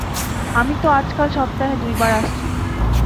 আমি তো আজকাল সপ্তাহে দুইবার আসছি।